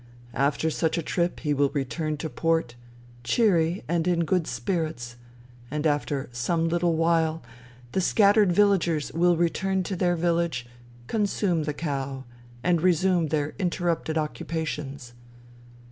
After such a trip he will return to port, cheery and in good spirits ; and after some little while the scattered villagers will return to their village, consume the cow, and resume their inter rupted occupations.